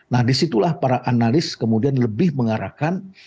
nah disitulah para analis kemudian lebih mengarahkan